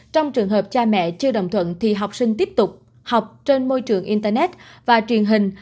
trong trường hợp cha mẹ chưa đồng thuận thì học sinh tiếp tục học trên môi trường internet và truyền hình